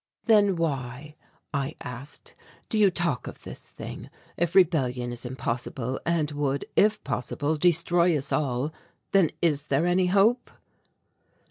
"Then why," I asked, "do you talk of this thing? If rebellion is impossible and would, if possible, destroy us all, then is there any hope?"